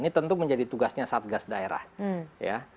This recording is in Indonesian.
ini tentu menjadi tugasnya satgas daerah ya